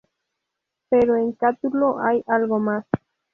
Pero en Catulo hay algo más.